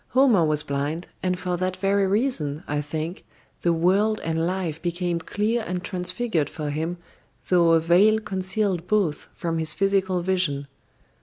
Homer was blind, and for that very reason, I think, the world and life became clear and transfigured for him though a veil concealed both from his physical vision."